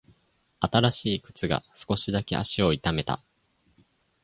新しい靴が少しだけ足を痛めた。